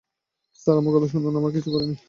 Sir, আমার কথা শুনুন, আমি কিছুই করিনি।